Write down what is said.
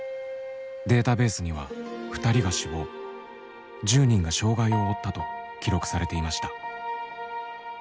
データベースには２人が死亡１０人が障害を負ったと記録されていました。